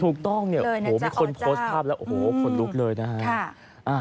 ถูกต้องมีคนโพสต์ภาพแล้วคนลุกเลยนะ